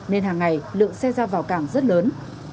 nên hàng ngày lượng xe ra vào cảng rất lớn